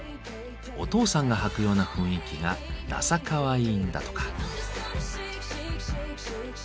お父さんが履くような雰囲気がダサかわいいんだとか。